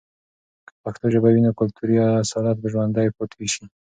که پښتو ژبه وي، نو کلتوری اصالت به ژوندۍ پاتې سي.